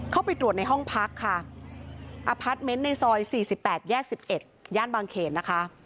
เข้าไปตรวจในห้องพักค่ะอพาร์ทเมนต์ในซอย๔๘แยก๑๑ย่านบางเขนนะคะ